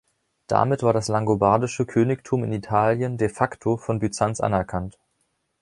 Damit war das langobardische Königtum in Italien "de facto" von Byzanz anerkannt.